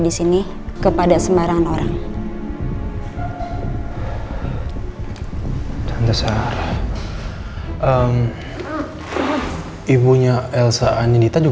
definitif memang racism ya udah lah